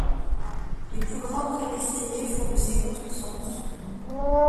Les plus grands prédestinés font de ces contre-sens.